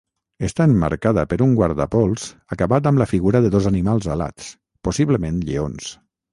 Està emmarcada per un guardapols acabat amb la figura de dos animals alats -possiblement lleons.